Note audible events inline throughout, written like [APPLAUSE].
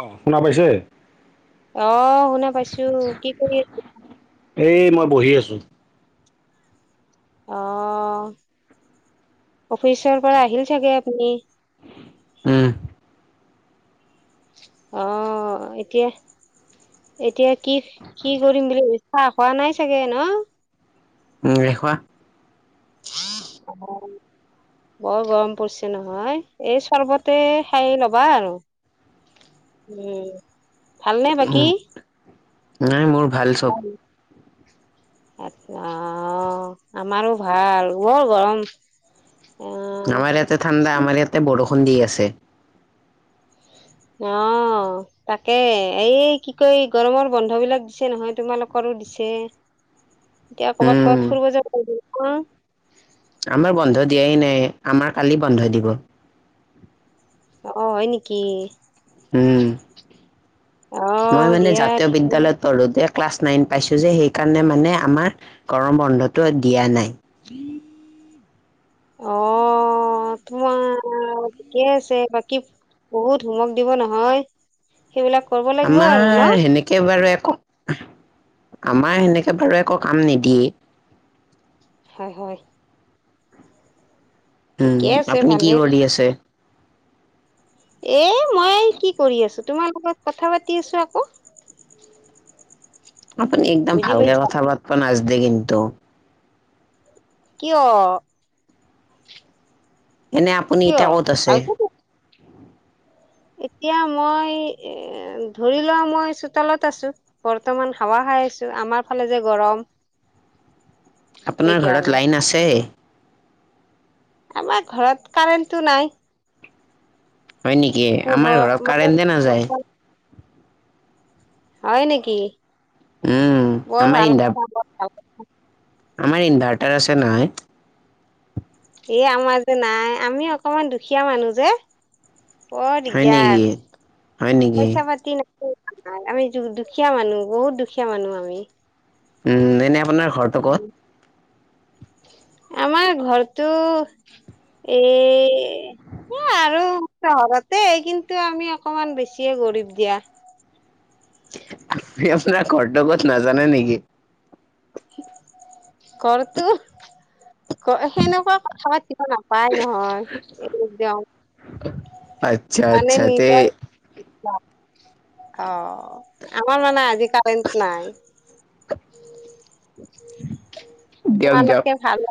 অ, শুনা পাইছে? অহ', শুনা পাইছোঁ, কি কৰি আছে? এই, মই বহি আছোঁ। অ', অফিচৰ পৰা আহিল চাগে আপুনি? উম, অ', এতিয়া, এতিয়া কি কি কৰিম বুলি ভাবিছে? চাহ খোৱা নাই চাগে ন'? নাইখোৱা। [UNINTELLIGIBLE] বৰ গৰম পৰিছে নহয়, এই চৰ্বতে খাই ল'বা আৰু। উম, ভালনে উম, বাকী? নাই মোৰ ভাল চব। অ', আমাৰো ভাল, বৰ গৰম। অ আমাৰ ইয়াতে ঠাণ্ডা, আমাৰ ইয়াতে বৰষুণ দি আছে। অ', তাকে, এই কি কয় গৰমৰ বন্ধ বিলাক দিছে নহয় তোমালোকৰ? দিছে, এতিয়া কৰ'বাত উম, ক'ৰবাত ফুৰিব যাব [UNINTELLIGIBLE] আমাৰ বন্ধ দিয়াই নাই, আমাৰ কালি বন্ধ দিব। অ', হয় নেকি? উম, অ মই মানে দিয়া জাতীয় ঠিকেই বিদ্যালয় পঢ়োঁতে ক্লাছ নাইন পাইছোঁ যে, সেইকাৰণে মানে আমাৰ গৰম বন্ধটো দিয়া নাই। উ [UNINTELLIGIBLE] অ, তুম [UNINTELLIGIBLE] ঠিকে আছে বাকী বহুত হোমৱৰ্ক দিব নহয়? সেইবিলাক কৰিব লাগিব আৰু ন আমাৰ সেনেকে বাৰু একো আমাৰ সেনেকে বাৰু একো কাম নিদিয়েই। হয়, হয়, উম, ঠিকে আছে আপুনি কি ভালে কৰি আছে? এ মই কি কৰি আছোঁ, তোমাৰ লগত কথা পাতি আছোঁ আকৌ। আপুনি একদম বুজি ভালকে পাইছা কথা পাতব নাজানে কিন্ত। কিয়? এনে আপুনি কিয় এতিয়া ক'ত আছে? ভালকে এতিয়া মই এ, ধৰি লোৱা মই চোতালত আছো বৰ্তমান, হাৱা পাইছোঁ, আছো আমাৰ ফালে যে গৰম। আপোনাৰ সেইকাৰণে ঘৰত লাইন আছে? আমাৰ ঘৰত কাৰেণ্টটো নাই। হয় নেকি? পোহৰ আমাৰ ঘৰত কাৰেণ্টেই নাযায়। মানে হয় নেকি? উম বৰ আমাৰ ভাল ইনভা [UNINTELLIGIBLE] আমাৰ ইনভাৰ্টাৰ আছে নহয়। এ আমাৰ যে নাই আমি অকমান দুখীয়া মানুহ যে বৰ হয় নেকি দিগদাৰ হয় নেকি পইচা পাতি নাই আমি দুখীয়া মানুহ, বহুত দুখীয়া মানুহ আমি উম, এনে আপোনাৰ ঘৰটো ক'ত? আমাৰ ঘৰটো এই আৰু চহৰতে, কিন্তু আমি অকমান বেছিয়ে গৰীব দিয়া [UNINTELLIGIBLE] আপোনাৰ ঘৰতে ক'ত নাজানা নেকি? ঘৰটো সেনেকুৱা, কথা পাতিব নাপায় নহয় একদম আচ্ছা মানে আচ্ছা তে [UNINTELLIGIBLE] অ', আমাৰ মানে আজি কাৰেণ্ট নাই দিয়ক দিয়ক তোমালোকে, ভাল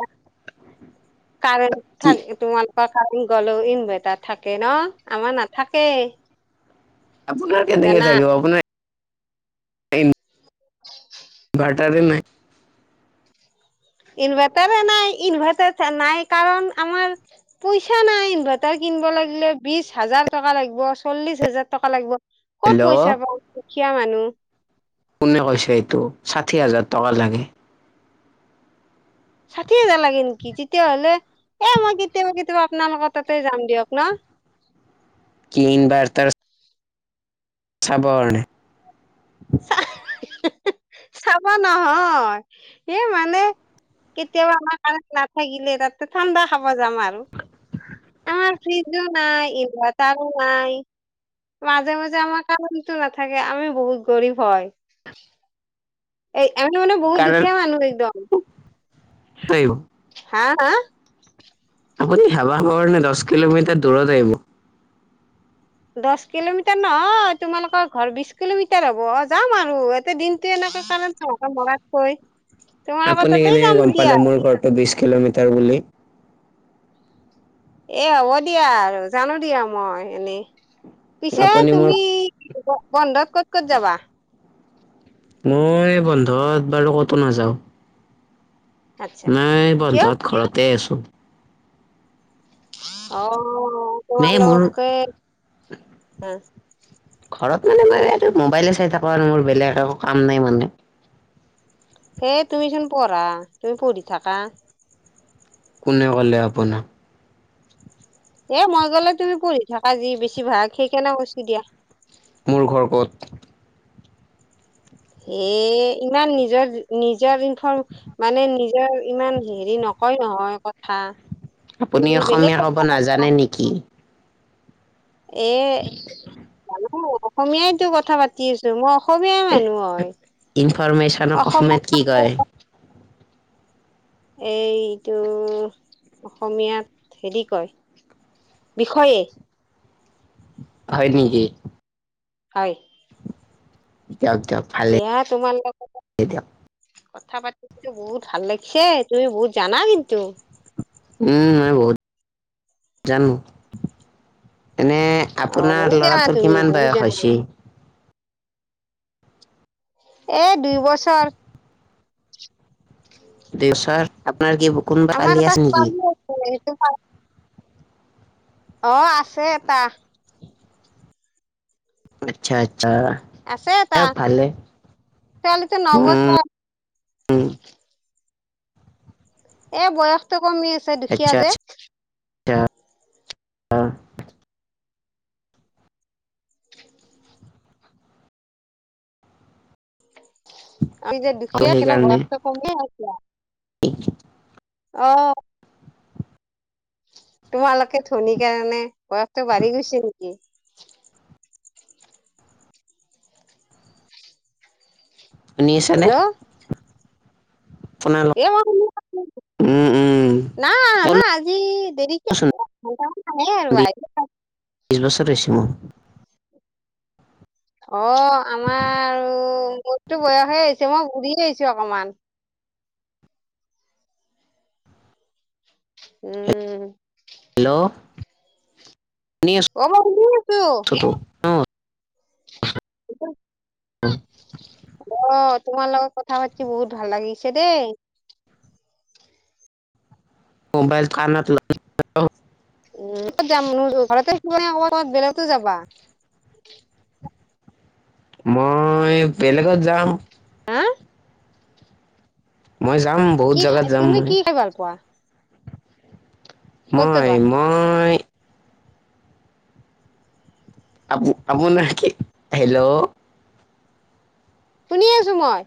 কাৰেণ কি [UNINTELLIGIBLE] তোমাল কাৰেণ্ট গ'লে ইনভাৰ্টাৰ থাকে ন, আমাৰ নাথাকেই আপোনাৰ কেনেকে থাকিব আপোনাৰ হয়। [UNINTELLIGIBLE] ইনভাৰ্টাৰৰে নাই ইনভাৰ্টাৰ নাই, ইনভাৰ্টাৰ নাই কাৰণ আমাৰ পইচা নাই, ইনভাৰটাৰ কিনি কিনিব লাগিলে বিশ হাজাৰ টকা লাগিব, চল্লিশ হাজাৰ টকা লাগিব ক'ত হেল্ল' পইচা পাওঁ, দুখীয়া মানুহ কোনে কৈছে এইটো ষাঠি হাজাৰ টকা লাগে ষাঠি হাজাৰ লাগে নেকি তেতিয়াাহলে এ মই কেতিয়াবা, কেতিয়াবা, আপোনালোকৰ তাতে যাম দিয়ক ন কি ইনভাটাৰ চাব কাৰণে চাব নহয়, এমানে কেতিয়াও আমাৰ কাৰণ নাথাকিলে, তাতে ঠাণ্ডা খাব যাম আৰু আমাৰ ফ্ৰিজো নাই, ইনভাতাৰো নাই মাজে মাজে আমাৰ কাৰণটো নাথাকে, আমি বহুত গৰীব হয় এই আমি মান, বহুত কাৰেণ্ট দুখীয়া মানুহ একদম [UNINTELLIGIBLE] হা, হা, [UNINTELLIGIBLE] দহ কিলোমিটাৰ দূৰত আহিব। দহ কিলোমিটাৰ নহয়, তোমালোকৰ ঘৰ বিশ কিলোমিটাৰ হব, অ', যাম আৰু এতে দিনটোে ন কাৰণ চকা মৰাতকৈ তোমালোকৰ আপুনি তাতেই কেনেকে যাম গম দিয়া। পালে মোৰ ঘৰটো বিশ কিলোমিটাৰ বুলি? এ হ'ব দিয়া, আৰু জানো দিয়া মই এনেই পিছে আপুনি মোক তুমি বন্ধত ক'ত ক'ত যাবা মই, বন্ধত বাৰু কতো নাযাওঁ আচ্ছা নাই, কিয়? বন্ধত ঘৰতে আছো অ', মে মোৰ লোকে হ ঘৰত মানে, মটো মোবাইলে চাই থকা মোৰ বেলেগ একো কাম নাই মানে হেই তুমিচোন পঢ়া তুমি পঢ়ি থাকা কোনে ক'লে আপোনাক? এ, মই গ'লে তুমি পঢ়ি থাকা যি বেছি ভাগ সেই কেনেে কোনো দিয়া মোৰ ঘৰ ক'ত? হে ইমান নিজৰ নিজৰ ইনফৰ্ম মানে নিজ এতি ইমান হেৰি নকয় নহয় কথা আপুনি তুমি অসমীয়া বেলেগ ক'ব কথা নাজানে নেকি এ, জানো অসমীয়াইতো কথা পাতি আছো মই অসমীয়াই মানুহ হয়, ইনফৰমেশ্যনক অসমীয়াত অসমীয়া কি কয় [UNINTELLIGIBLE] এইটো, অসমীয়াত হেৰি কয় বিষয়ে হয় নেকি? হয়। দিয়ক দিয়ক ভালে দিয়া তোমাৰ লগ দিয়ক [UNINTELLIGIBLE] কথা পাতি কিন্তু বহুত ভাল লাগিছে, তুমি বহুত জানা কিন্তু। উম, মই বহুত জানো। এনে, অ আপোনাৰ বহুত জানা ল'ৰাটোৰ তুমি কিমান বহুত বয়স জানা হৈছে? এ, দুই বছৰ। দুই বছৰ? আপোনাৰ কি কুনবা আমাৰ কালি এটা আছে নেকি? ছোৱালী আছে সেইটো অ, আছে এটা। আচ্ছা চা আছে এটা দিয়ক ভালেই, ছোৱালীটো উম, নবছৰ উম, এ বয়সতটো কমি আছে, দুখীয়া আচ্ছা যে। আচ্ছা [UNINTELLIGIBLE] আমি যে দুখীয়া, সেইকাৰণে বয়সতো কমি আছে আৰু। [UNINTELLIGIBLE] অ', তোমালোকে ধনী কাৰণে, বয়সটো বাঢ়ি গৈছে নেকি? শুনি আছানে? আপোনালোক এই মই শুনি আছোঁ, উম উম নাই আমাৰ দেৰিকে কলোচোন [UNINTELLIGIBLE] বিছ বছৰ হৈছে মোৰ। অ', আমাৰ মোৰতো বয়সেই আহিছে, মই বুঢ়িয়ে হৈছো অকমান। উম, হেল্ল' শুনি অ', মই শুনি আছো। তো অ [UNINTELLIGIBLE] অ', তোমাৰ লগত কথা পাতি বহুত ভাল লাগিছে দেই। মোবাইল কানত [UNINTELLIGIBLE] উম কত যাম ঘৰতে [UNINTELLIGIBLE] বেলেগতো যাবা? মই, বেলেগত যাম। হা? মই যাম, বহুত কি জেগাত খাই যাম তুমি মই। কি খাই ভাল পোৱা ক'ত ক'ত মই, যোৱা মই আপ-আপোনৰ কি, হেল্ল' শুনি আছো মই।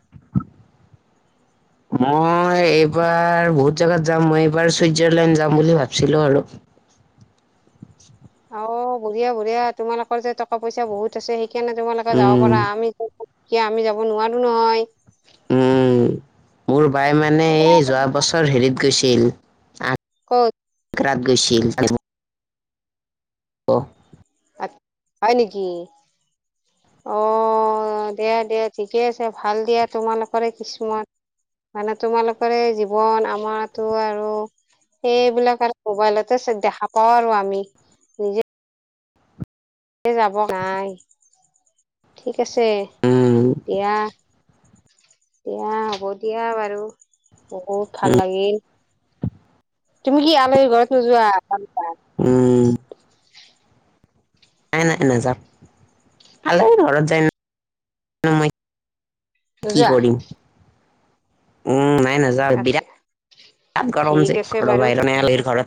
মই এইবাৰ বহুত জোগাত যাম, মই এইবাৰ চুইজাৰলেণ্ড যাম বুলি ভাবিছিলো আৰু। অ বঢিয়া বঢ়িয়া, তোমালোকৰ যে টকা পইচা বহুত আছে স সেইকাৰণে তোমালোকে যাব উম পাৰা, আমিতো দুখীয়া, আমি যাব নোৱাৰো নহয়। উম, মোৰ বাই মানে এই যোৱা বছৰ হেৰিত গৈছিল, আ ক'ত? [UNINTELLIGIBLE] গৈছিল। অ', আ, হয় নেকি? অ', দিয়া দিয়া ঠিকে আছে ভাল দিয়া তোমালোকৰে, কিছুমান মানে তোমালোকৰএই জীৱন, আমাৰতো আৰু এইবিলাক আৰু মোবাইলতে চ দেখা পাওঁ আৰু আমি, নিজে জে যাব নাই। ঠিক আছে, উম, দিয়া। দিয়া হ'ব দিয়া বাৰু, বহুত ভাল লাগিল। তুমি কি আলহী ঘৰত নোযোৱা? উম, [UNINTELLIGIBLE] নাই নাই নাজাও, আলহী ঘৰত যায় [UNINTELLIGIBLE] নোযোৱা? উম, নাই নাযাও, আচ্ছা বিৰাট গৰম ঠিক যে আছে ঘৰৰ বাৰু বাহিৰ [UNINTELLIGIBLE] ঘৰত